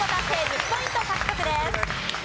１０ポイント獲得です。